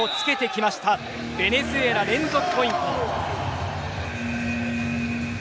ベネズエラ、連続ポイント。